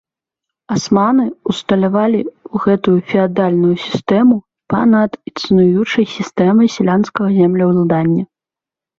Асманы ўсталявалі гэтую феадальную сістэму па-над існуючай сістэмай сялянскага землеўладання.